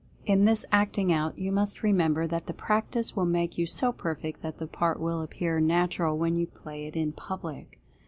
In this Acting Out, you must remember that the practice will make you so perfect that the part will appear natural when you play it in public.